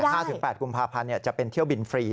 ห้าถึงแปดกุมภาพันธ์จะเป็นเที่ยวบินฟรี